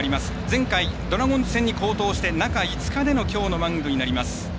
前回、ドラゴンズ戦に好投して中５日でのきょうのマウンドになります。